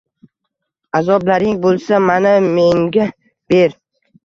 Azoblaring bulsa mana menga ber